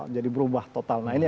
jadi berubah totalnya